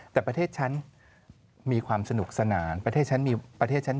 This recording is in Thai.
แต่ประเทศฉันมีความสนุกสนานประเทศฉันมีประเทศฉัน